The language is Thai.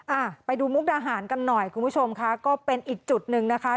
อ่าไปดูมุกดาหารกันหน่อยคุณผู้ชมค่ะก็เป็นอีกจุดหนึ่งนะคะ